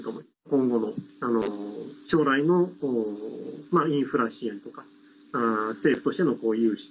今後の、将来のインフラ支援とか政府としての融資。